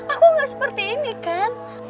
aku gak seperti ini kan